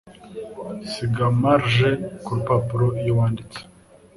Siga margin kurupapuro iyo wanditse.